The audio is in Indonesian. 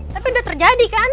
tapi udah terjadi kan